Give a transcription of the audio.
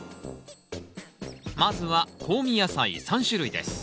まずは香味野菜３種類です